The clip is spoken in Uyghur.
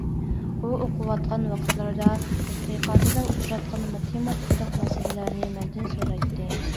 ئۇ ئوقۇۋاتقان ۋاقىتلىرىدا تەتقىقاتىدا ئۇچراتقان ماتېماتىكىلىق مەسىلەرنى مەندىن سورايتتى.